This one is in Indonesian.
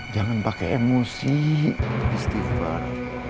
jangan pakai emosi istighfar